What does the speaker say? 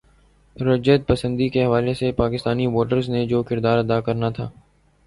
رجعت پسندی کے حوالے سے پاکستانی ووٹرز نے جو کردار ادا کرنا تھا۔